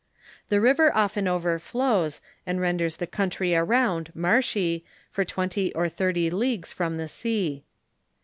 The river often overflows, and rendei s the country around marshy, for twenty or thirty leagues from the sea.